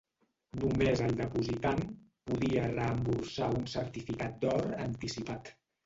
Només el depositant podia reembossar un certificat d'or anticipat.